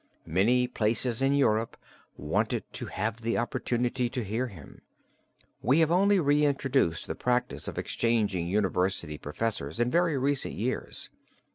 Many places in Europe wanted to have the opportunity to hear him. We have only reintroduced the practise of exchanging university professors in very recent years.